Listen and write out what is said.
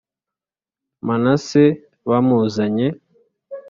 Manase bamuzanye